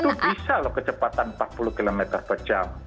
itu bisa loh kecepatan empat puluh km per jam